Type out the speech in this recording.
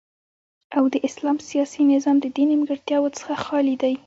او د اسلام سیاسی نظام ددی نیمګړتیاو څخه خالی دی